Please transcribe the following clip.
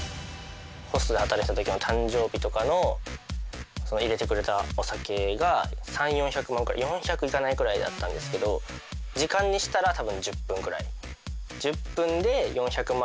ホストで働いてたときの誕生日とかの入れてくれたお酒が３００４００万くらい４００いかないくらいだったんですけど時間にしたらたぶん１０分ぐらい。